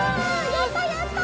やったやった！